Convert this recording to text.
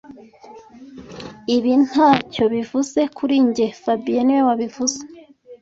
Ibi ntacyo bivuze kuri njye fabien niwe wabivuze